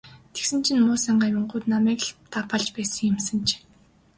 Тэгсэн чинь муусайн гамингууд намайг л даапаалж явсан юм санж.